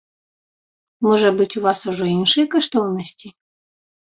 Можа быць, у вас ужо іншыя каштоўнасці?